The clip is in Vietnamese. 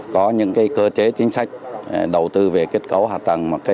có những cơ chế chính sách đầu tư về kết cấu hạ tầng